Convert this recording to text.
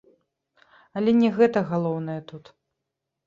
Але не гэта галоўнае тут.